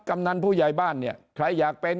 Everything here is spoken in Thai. กำนันผู้ใหญ่บ้านเนี่ยใครอยากเป็น